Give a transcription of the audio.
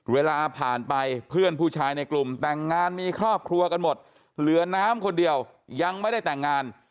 เวลาผ่านไปเพื่อนผู้ชายในกลุ่มแต่งงานมีครอบครัวกันหมดเหลือน้ำคนเดียวยังไม่ได้แต่งงาน